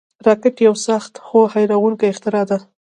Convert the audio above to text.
راکټ یو سخت، خو حیرانوونکی اختراع ده